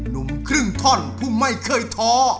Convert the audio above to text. หนุ่มครึ่งท่อนผู้ไม่เคยท้อ